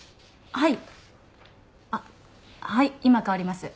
はい。